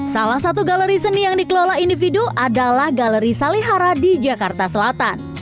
salah satu galeri seni yang dikelola individu adalah galeri salihara di jakarta selatan